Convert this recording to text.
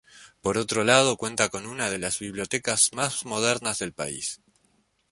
Por otro lado, cuenta con una de las bibliotecas más modernas del país.